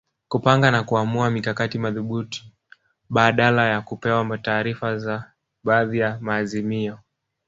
Kupanga na kuamua mikakati madhubuti badala ya kupewa taarifa za baadhi ya maazimio